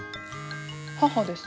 母です。